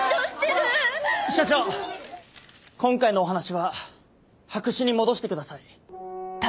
社長今回のお話は白紙に戻してください。